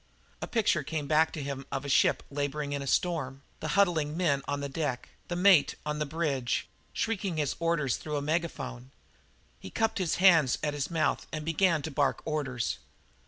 A picture came back to him of a ship labouring in a storm; the huddling men on the deck; the mate on the bridge, shrieking his orders through a megaphone. He cupped his hands at his mouth and began to bark orders.